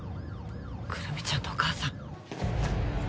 胡桃ちゃんとお母さん？